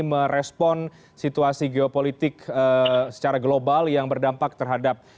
merespon situasi geopolitik secara global yang berdampak terhadap